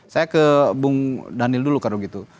saya ke bung daniel dulu kalau gitu